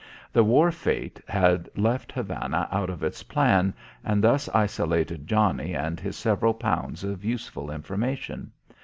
The war fate had left Havana out of its plan and thus isolated Johnnie and his several pounds of useful information.